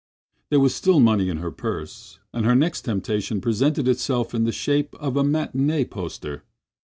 There was still money in her purse, and her next temptation presented itself in the shape of a matinee poster.